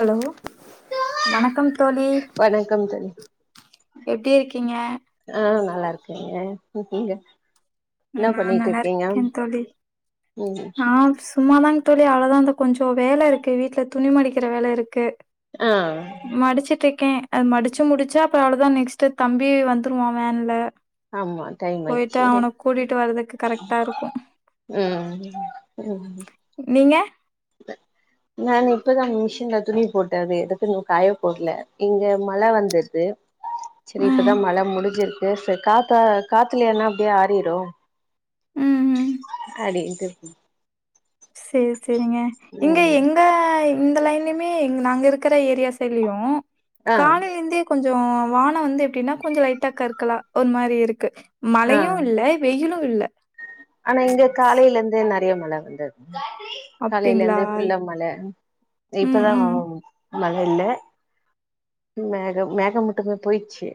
hello வணக்கம் தோழி வணக்கம் தோழி எப்டி இருக்கீங்க ஆ நல்லா இருக்கேங்க நீங்க என்ன நா பண்ணிட்டு நல்லா இருக்கீங்க இருக்கே தோழி ம் நா சும்மாதா தோழி அந்த கொஞ்ச வேல இருக்கு வீட்ல துணி மடிக்கிற வேல இருக்கு ஆ மடிச்சுட்டு ஓகே அது மடிச்சு முடிச்சு அப்புற அவ்ளோதா நெக்ஸ்ட் தம்பி வந்துருவா வேன்ல ஆமா டைம் போயிட்டு ஆய்ச்சு அவன கூட்டிட்டு வர்துக்கு கரெக்டா இருக்கு ம் நீங்க நானு இப்பதா மிஷின்ல துணி போட்ட அத எடுத்துன்ன காய போடல இங்க மழ வந்துடுது செரி இப்பதா ம் மழ முடிஞ்சது ச காத்தா காத்துல என்ன அப்டியே ஆறிரும் ம் ம் அப்டின்டு சேரி சேரிங்க இங்க ம் எங்க இந்த லைன்லயுமே நாங்க இருக்கிற ஏரியா செடுலயு ஆ காலில இருந்தே கொஞ்ச வானம் வந்து எப்டின்னா கொஞ்ச லைட்டா கருக்கலா ஒரு மாரி இருக்கு ஆ மழையு இல்ல வெயிலு இல்ல ஆனா இங்க காலையில இருந்து மழ வந்தது காலையில அப்டிங்களா இருந்தே புல்ல மழ ம் இப்பதா ம் [unintelligible] மழில மேக மேகம் மட்டுமே போயிடுச்சு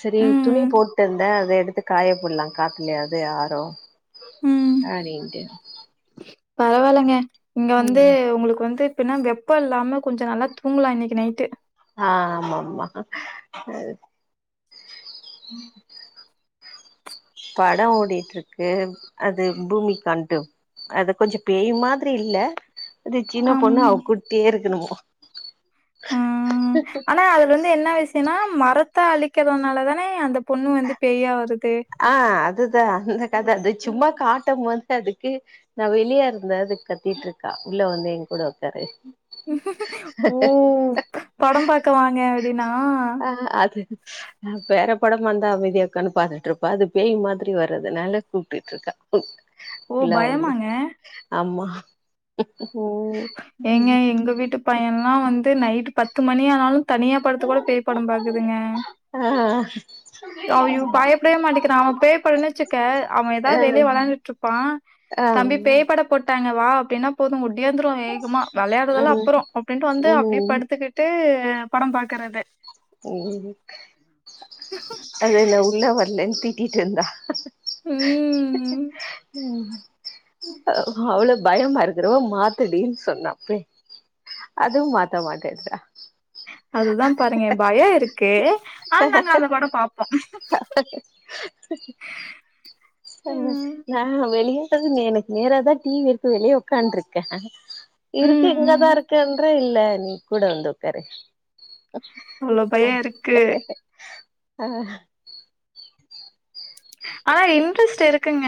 செரி துணி ம் போட்டு இருந்தே அத எடுத்து காய போடலா காத்துலயாவது ஆஹ அஹ நீட்டு பரவாயிலங்க இங்க வந்து உங்களுக்கு வந்து ப்பின்னா வெப்பம் இல்லாம கொஞ்ச நல்லா தூங்கலா இன்னிக்கு நைட்டு ஆஹ் ஆமாமா படம் ஓடிட்டு இருக்கு அது பூமி கண்டு அது கொஞ்ச பேயி மாதிரி இல்ல அது சின்ன அம் பொண்ணு அவ கூட்டியே இருக் என்னமோ ம் ஆனா அதுல வந்து என்ன விச ன்னா மரத் த்த அழிக்றதுனால தானே அந்த பொண்ணு வந்து பெயா வருது ஆஹ் அதுதான் அந்தக்கத அது சும்மா காட்டம் போது அதுக்கு நான் வெளியா இருந்த அது கத்திட்டு இருக்க உள்ள வந்து என் கூட உக்காரு ஓ படம் பார்க்க வாங்க அப்டின்னா நா பேற படம் வந்த அமைதியாக்கனு பாத்துட்டு இருப்பே அது பேய் மாதிரி வர்றதுனால கூப்ட்டு இருக்கா ஓ பயமாங்க [inaudible] ஓ எங்க எங்க வீட்டு பையன்ல்லா வந்து நைட் பத்து மணி ஆனாலு தனியா படத்து கூட பேய் படம் பாக்குதுங்க ஆ அவ பயப்படவே மாட்டேிக்கிறான் அவன் பேய்ப்பட வச்சுக்க அவன் ஆ ஏதாவது வெளியே விளையாந்துட்டு இருப்பான் ஆ தம்பி ம் பேய்ப்பட போட்டாங்க வா அப்டினா போதும் இயந்திருவ வேகமா விளையாடுறதல்ல ம் அப்பறோ அப்டின்ட்டு வந்து அப்டியே ம் படுத்துக்கிட்டு படம் பாக்குறது ம் அது என்ன உள்ள வரலன்னு தீட்டிட்டு இருந்தா ம் உம் அவ்ளவு பயமா இருக்கிறவோ மாத்துடி சொன்னப் அதுவு மாத்த மாட்டேடுறா அதுதான் பாருங்க பய இருக் கே ஆ நாங்க அந்த படோ பாப்போ ம் ஆ நா வெளிய எனக்கு நேரா தா டிவி இருக்கு வெளிய உக்காண்டருக்கே இருக்கு ம் ம் இங்கதா இருக்கேன்றே இல்ல நீ கூட வந்து உக்காரு அவ்ளோ அ பயோ இருக்கு ஆஹ் ஆ இன்ட்ரெஸ்ட் இருக்குங்க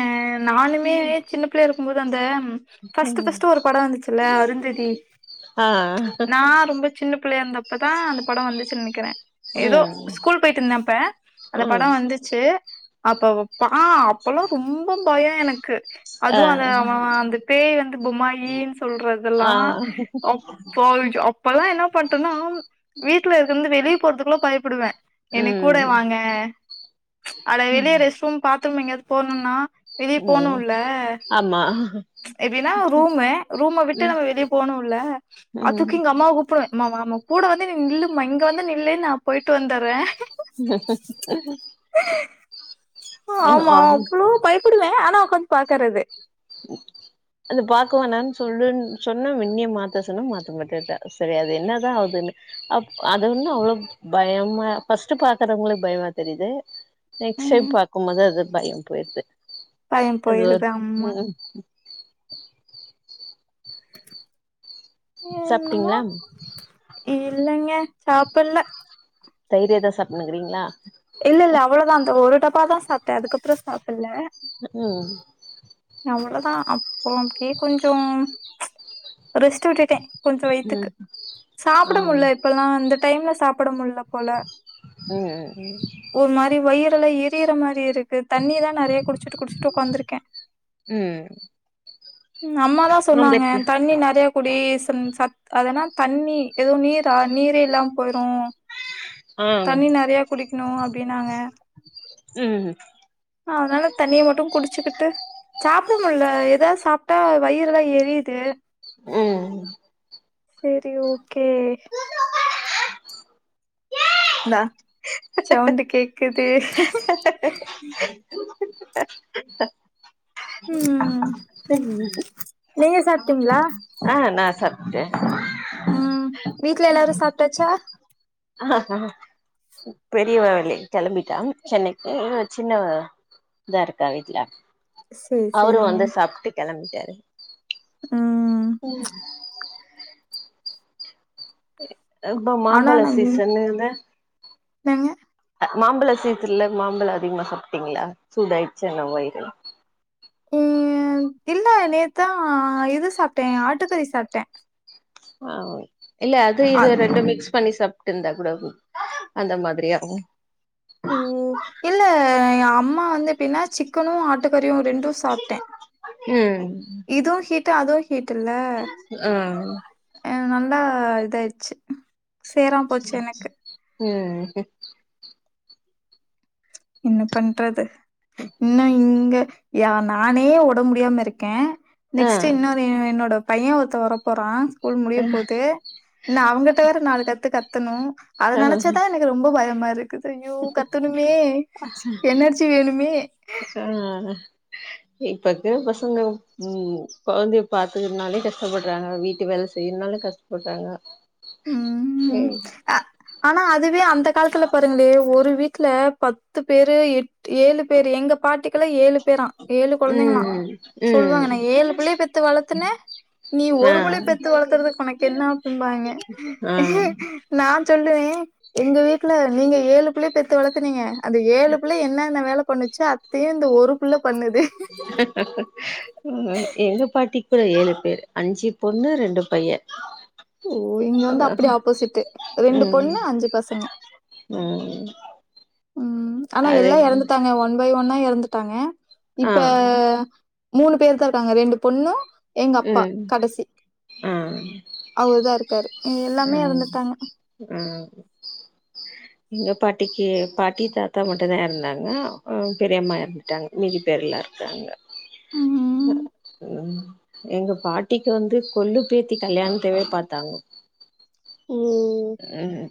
நானுமே சின்ன பிள்ளையா இருக் உங்ளுது அந்த ஃபஸ்ட்டு ம் ஃபஸ்ட்டு ஒரு பட வந்துச்சுல்ல அருந்ததி ஆ நா ரொம்ப சின்ன பிள்ளையா இருந்தப்பதா அந்த பட வந்துச்சு நெனைக்கிற ஏதோ ம் ஸ்கூல் போயிட்டு இருந்த அப்ப அந்த பட ம் வந்துச்சு அப்ப வெப்பா ஆ அப்பலா ரொம்ப பய எனக்கு ஆ அதுவு அந்த அவ அந்த பேய் வந்து பொம்மாயின் சொல்றதெல்லா ஆ அப்போ ஜ அப்பல்லா என்ன பண்ட்டனா வீட்ல இருந்து வெளிய போறதுக்குள பயப்படுவே என்னக் கூட ம் வாங்க அட வெளிய பாத்தூம் எங்கயாது போனுன்னா வெளியே ம் போனுல்ல ஆமா எப்டின்னா ரூமு ரூம விட்டு ம் நம்ம வெளிய போனுல்ல ம் அதுக்கு எங்க அம்மாவ கூப்பிடுவே அம்மா வாமா கூட வந்து நீ நில்லுமா இங்க வந்து நில்லு நா போயிட்டு வந்தர்றே ஆமா அவ்ளோ பயப்படுவே ஆனா உக்காந் பாக்கறது அது பாக்கவேனான்னு சொல்லுன் சொன்னா மின்னிய மாத்த சொன்னா மாத்த மாட்டேட்டா சரி அது என்னதா ஆவுதுன்னு அ அது ஒன்னு அவ்வளவு பயமா ஃபஸ்ட்டு பாக்குறவங்களுக் பயமா தெரியுது நெக்ஸ்ட் டைம் ம் பாக்கும்போது அது பயம் போயிருது பயம் அது ஒரு போயிருது ஆ ம் என்னமோ சாப்ட்டீங்களா இல்லைங்க சாப்பல்ல தயிறேதா சாப்பினுங்றிங்ளா உப்மா தா சாப்ட்டே அதுக்கப்பறோ சாப்பில்ல ம் அவ்வளதா அப்போ அப்டியே கொஞ்சோ ரெஸ்ட் விட்டுட்டே கொஞ்ச வயித்துக்கு ம் ஆ சாப்பட முடில இப்பல்லா வந்து டைம்ல சாப்பட முடில போல ம் ம் ஒரு மாரி வயிறு ல்லா எரியிற மாரி இருக் கு தண்ணிதா நெறையா குடிச்சுட்டு குடிச்சுட்டு உக்காந்துருக்கே ம் ம் அம்மாதா சொன்னாங்க தண்ணி நெறைய குடி சத் அதன தண்ணி ஏதோ நீரா நீரே இல்லாம போய்ரு ஆ தண்ணி நறைய குடிக்கணு அப்டின்னாங்க ம் அதனால தண்ணிய மட்டு குடிச்சுக்கிட்டு தா சாப்ட்டா வயிறுல்லா எரியுது ம் சேரி ஓகே ந சவுண்டு கேக் கெது [unintelligible] [unintelligible] ம் [unintelligible] நீங்க சாப்ட்டீங்களா ஆஹ் நா சாப் அ ம் வீட்ல எல்லாரு சாப்ட்டாச்சா அ அ பெரியவ வெளிய கெளம்பிட்டா சென்னைக்கு சின்னவ இங்தாருக்கா வீட்ல சேரி அவுரு சேரிங்க வந்து சாப்ட்டு கெலம்பிட்டாரு ம் ம் அ இப்பௌ ஆனா மாம்பழ நா மீன் சீசனுன்னு என்னங்க மாம்பழோ சீசன்ல மாம்பழம் அதிகமா சாப்ட்டீங்களா சூடாயிடுச்சா என்னவோ வய்ரு ம் இல்ல நேத்தா இது சாப்ட்டே ஆட்டுக்கறி சாப்ட்டே ஆ இல்ல அது இது ரெண்டு மிக்ஸ் பண்ணி சாப்ட்ருந்தா கூட அந்த மாதிரியாகு ஓ இல்ல ஏ அம்மா வந்து எப்டின்னா சிக்கனு ம ட்டு கறியு ரெண்டு சாப்ட்டே ம் இதுவு ஹுட் ட்டு அதுவு கிட்டுல்ல ஆ எ அதனால்லா நல்லா இதாயடுச்சு சேராம் போச்சு எனக்கு உஹம் என்ன பண்றது இன்னு இங்க யா நானே உடம்பு முடியாம இருக்கே நெக்ஸ்ட் ஆ இன்னொரு என்னோட பைய ஒருத்த வர போறா ஸ்கூல் முடிய போகது நா அவங்கிட்ட வேற நாலு கத்து கத்தணு அத ஆ நனச்சா தா எனக்கு ரொம்ப பயம் மரு க்குது யூ கத்தனுமே ஆஹ் இப்பக்குற பசங்க உம் கொழந்தைய பாத்துக்கறனாலே கஷ்டப்படுறாங்க வீட்டு வேல செய்யுனுனாலே கஷ்டப்படுறாங்க ம் உம் அ ஆனா அதுவே அந்த காலத்துல பாருங்களே ஒரு வீட்டுல பத்து பேரு எட் ஏழு பேரு எங்க பாட்டிக்குள்ள ஏழு பேரா ஏழு கொழந்தைங்களா ம் ம் சொல்லுவாங்க நா ஏழு பிள்ளைய பெத்து வளத்துனே நீ ஆ ஒரு பிள்ள பெத்து வளத்துறதுக்கு உனக்கு என்ன பின்பாங்க ஆ நா சொல்லுவே எங்க வீட்டுல நீங்க ஏழு பிள்ளைய பெத்து வளத்துனீங்க அந்த ஏழு பிள்ள என்னன்ன வேல பண்ணுச்சு அ அ ஏங்க பாட்டிக் கு ஏழு பேர் அஞ்சு பொண்ணு ரெண்டு பைய ஓ இங்க வந்து அப்டியே ஆப்போசிட்டு ரெண்டு ம் பொண்ணு அஞ்சு பசங்க ம் உம் ஆனா அது எல்லா எறந்துட்டாங்க ஒன் பை ஒன்ன எறந்துட்டாங்க ஆ இப்ப மூணு பேர்தா இருக்காங்க ரெண்டு பொண்ணு எங்க அப்பா ம் கடைசி ஆ அவரு தா இருக்காரு ஆ எல்லாமே எறந்துட்டாங்க ஆ எங்க பாட்டிக்கு பாட்டி தாத்தா மட்டுதா எறந்தாங்க உம் பெரியம்மா எறந்துட்டாங்க மிதி பேருலா இருக்காங்க ம் உஹ் உம் எங்க பாட்டிக்கு வந்து கொல்லு பேத்தி கல்யாணத்தேவே பாத்தாங்க ம் உஹ்ம்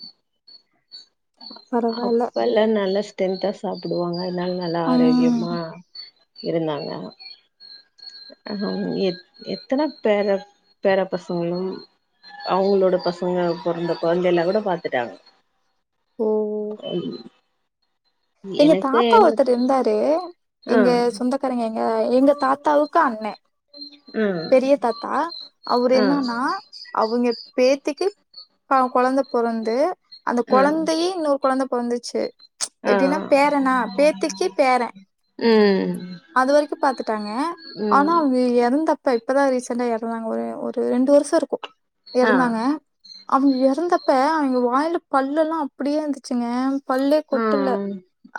அ பரவால்ல அப்ப எல்லா நல்லச் டென்தா சாப்பிடுவாங்க அனால நல்லா ம் ஆரோக்கியமா இருந்தாங்க அ எத் எத்தன பேர பேர பசங்களும் அவங்களோட பசங்க பொறந்த கொழந்த எல்லா கூட பாத்துட்டாங்க உஹ்ம் எங்க தாத்தா ஒருத்தர் இந்தாரு ஆ இங்க சொந்தக்காரங்கே அ எங்க தாத்தாவுக்கு அண்ணே ஆ பெரிய தாத்தா அவுரு ஆ என்னன்னா அவுங்க பேத்திக்கு அ கொழந்த பொறந்து அந்த ஆ கொழந்தையே இன்னொரு கொழந்த வந்துச்சு ஆ எப்டீனா பேரனா பேத்துக்கி பேரே ம் அது வரிக்கு பாத்துட்டாங்க ஆனா ம் அவு எறந்தப் ம் இப்ப இப்பதா ரீசெண்டா எறந்தாங்க ஒரு ஒரு ரெண்டு வருஷோ இருக்கு ஆ இருந்தாங்க அவுங் எறந்தப்ப அவுங்க வாயில பல்லு எல்லா அப்படியே இருந்துச்சுங்க பல்லே ஆ கொட்டல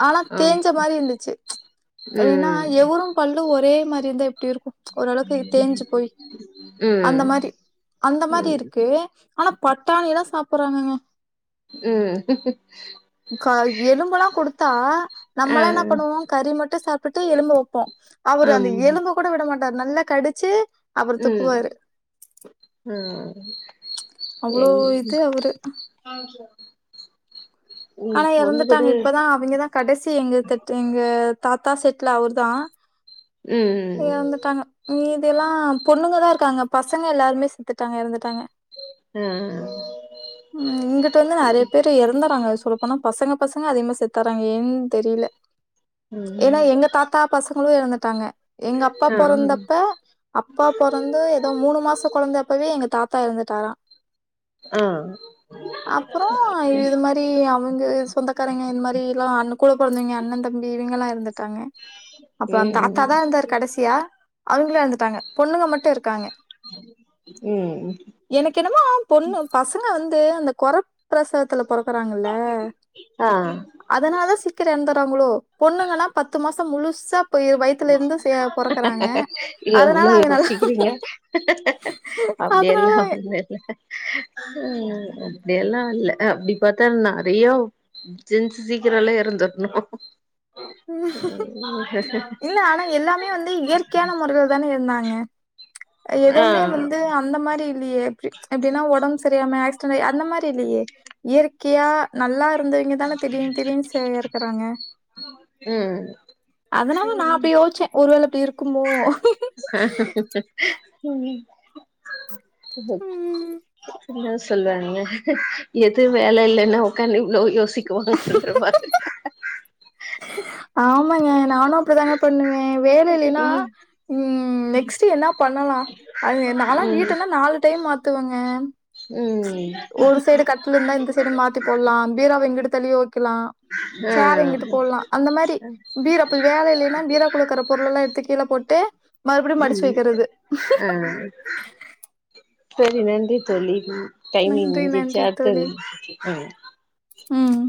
ஆனா ஆம் தேஞ்ச மாரி இந்துச்சு ச்ச் [unintelligible] னா ம் இவுரு பல்லு ஒரே மாரி இந்தா எப்டி இருக்கு ச்ச் ஓரளவுக்கு தேஞ்சு போய் அந்த ம் மாரி அந்த மாரி ம் இருக்கு ஆனா பட்டாணி ல்லா சாப் போறாங்கங்க உம் க எலும்பெல்லா குடுத்தா நம்மலா என்ன பண்ணுவோ கறி மட்டு சாப்பிட்டு எலும்பு வொப்போ அவுரு அந்த ஆம் எலும்பு கூட விட மாட் நல்லா கடிச்சு அவரு துப்புவாரு ம் ம் அவ்வுளோ இது அவுரு [inaudible] ம் ஆனா பொண்ணு கூட எறந்துட்டாங்க இப்பதா அவங்க தா கடைசி எங்க தட்டு எங்க தாத்தா செட்லா அவுர் தா ம் எறந்துட்டாங்க மீதிலா பொண்ணுங்கதா இருக் காங்க பசங்க எல்லாருமே செத்துட்டாங்க எறந்துட்டாங்க ஆ உம் இங்கிட்டு வந்து நெறைய பேரு எறந்துறாங்க சொல்ல போனா பசங்க பசங்க அதிகமா செத்துறாங்க ஏன்னு தெரில ஏன்னா ம் எங்க தாத்தா பசங்களு எறந்தட் தாங்க எங்க அப்பா ஆ பெறந்தப்ப அப்பா பெறந்து ஏதோ மூணு மாச கெழந்தப்பவே எங்க தாத்தா த்தா எரந்துட்டாரா ஆ அப்புறம் இது மாரி அவங்க சொந்தக்காரங்க இது மாரில்லா அண்ணன் கூட பெறந்தவங்க அண்ணன் தம்பி இவங்கல்லா இருந்த அப்புறம் தாத்தா ம் தா இருந்தாரு கடைசியா அவங்கள எரந்துட்டாங்க பொண்ணுங்க மட்டு இருக்காங்க ம் எனக்கு என்னமோ பொண்ணு பசங்க வந்து அந்த குர பிரசவத்துல பெற போறாங்க ஆ அதனால தா சீக்கிரம் எந்த ங்களோ பொண்ணுங்கன்னா பத்து மாசம் முழுசா போய் வயித்துல இருந்து சே பொறக்குறாங்க நீ அதனால எவ்ளோ அவங்க நல்லா யோசிக்கிறீங்க அப்டியெல்லா அதனால ஒன்னு இல்ல அப்படியெல்லா இல்ல அப்பிடி பாத்தா நெறைய ஜென்சு சீக்கிரோல்லா எரந்திறணு உம் இல்ல ஆனா எல்லாமே வந்து இயற்கையான முறையில தானே இருந்தாங்க ஆ எதுவுமே வந்து அந்த மாரி ல்லியே எப்டின்னா ஒடம்பு செரியில்லாம ஆக்சி அந்த மாரி இல்லியே இயற்கையா நல்லா இருந்தவங்க தான திடீர் திடீர்னு செய் எறக்குறாங்க அதனால நா அப்டி யோசிச்ச ஒருவேள அப்டி இருக்குமோ உம் ஹ ம் என்ன சொல்லுவாங்க எது வேல இல்லன்னா உட்காந்து எவ்ளோ யோசிக்குவாங்கன்ற மாதிரி ங்க நானு அப்டிதாங்க பண்ணுவே வேல இல்லின்னா நெக்ஸ்ட் என்ன பண்ண அது நாலா ம் வீட்டல்லா நாலு டைம் மா த்துவங்க ம் ஒரு சைடு கட்டில இருந்தா இந்த சைடு மாத்தி போடலா பீரோவ எங்கட்டு தள்ளிய வைக்கலா ம் ஆ சேர எங்கிட்டு போடலா அந்த மாரி பீராப்பு வேல இல்லின்னா பீரோ குள்ளலயிருக்குற பொருளல்லா எடுத்து கீழ போட்டு மறுபடியும் மடிச்சு ம் வைக்கிறது ஆ சரி நன்றி சொல்லி டைமிங் நன்றி முடிஞ்சிச்சா நன்றி அடுத்தது தோழி ம்